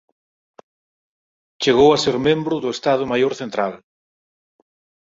Chegou a ser membro do Estado Maior Central.